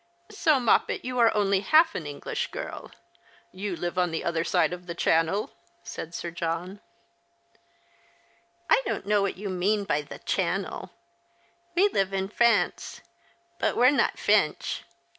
" So, Moppet, you are only half an English girl. You live on the other side of the Channel ?" said Sir John. The Christmas Hirelings. 133 " I don't know what you mean by the Channel. We live in F'ance, but we're not F'ench."